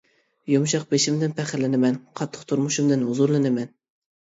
يۇمشاق بېشىمدىن پەخىرلىنىمەن، قاتتىق تۇرمۇشتىن ھۇزۇرلىنىمەن.